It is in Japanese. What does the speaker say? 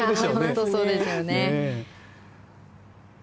本当にそうですよね。